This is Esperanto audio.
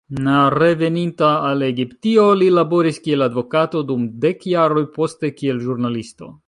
Reveninta al Egiptio, li laboris kiel advokato dum dek jaroj, poste kiel ĵurnalisto.